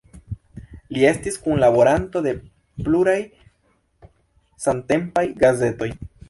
Li estis kunlaboranto de pluraj samtempaj gazetoj.